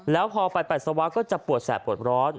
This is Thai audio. แล้วพอไปปัสสาวะก็จะปวดแสบปวดร้อน